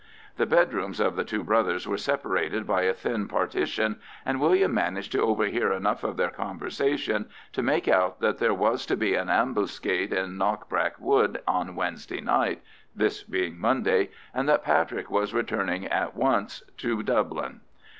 The bedrooms of the two brothers were separated by a thin partition, and William managed to overhear enough of their conversation to make out that there was to be an ambuscade in Knockbrack Wood on Wednesday night (this being Monday), and that Patrick was returning at once to Dublin.